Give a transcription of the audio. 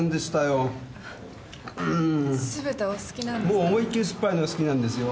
もう思いっ切り酸っぱいのが好きなんですよ。